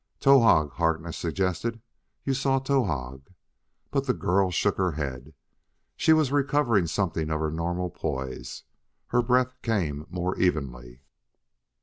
"Towahg," Harkness suggested; "you saw Towahg!" But the girl shook her head. She was recovering something of her normal poise; her breath came more evenly.